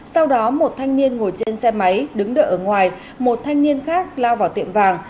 sau đó một thanh niên ngồi trên xe máy đứng đợi ở ngoài một thanh niên khác lao vào tiệm vàng